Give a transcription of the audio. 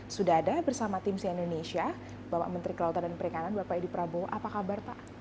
sudah ada bersama tim si indonesia bapak menteri kelautan dan perikanan bapak edi prabowo apa kabar pak